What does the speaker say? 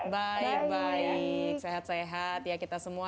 baik baik sehat sehat ya kita semua